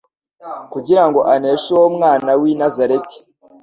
kugira ngo aneshe uwo mwana w'I Nazareti.